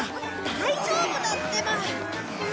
大丈夫だってば。